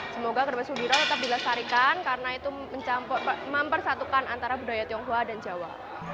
semoga kerbau sudiro tetap dilestarikan karena itu mempersatukan antara budaya tionghoa dan jawa